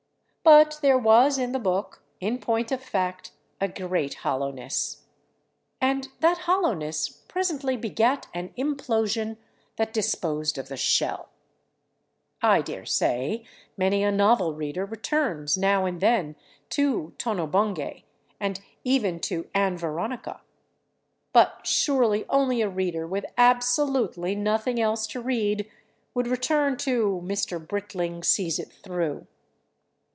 But there was in the book, in point of fact, a great hollowness, and that hollowness presently begat an implosion that disposed of the shell. I daresay many a novel reader returns, now and then, to "Tono Bungay," and even to "Ann Veronica." But surely only a reader with absolutely nothing else to read would return to "Mr. Britling Sees It Through."